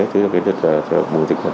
thứ được bùi dịch